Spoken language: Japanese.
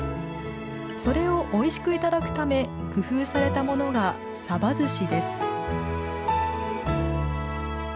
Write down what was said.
それをおいしく頂くため工夫されたものが寿司です